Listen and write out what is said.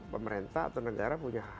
pemerintah atau negara punya